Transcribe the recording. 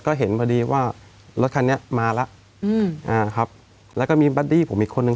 ก็เห็นพอดีว่ารถคันนี้มาแล้วอืมอ่าครับแล้วก็มีบัดดี้ผมอีกคนนึง